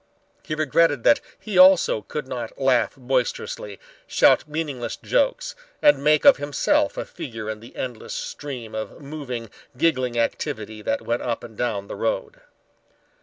He regretted that he also could not laugh boisterously, shout meaningless jokes and make of himself a figure in the endless stream of moving, giggling activity that went up and down the road.